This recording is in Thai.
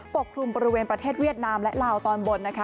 กลุ่มบริเวณประเทศเวียดนามและลาวตอนบนนะคะ